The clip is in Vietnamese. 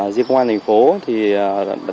riêng công an thành phố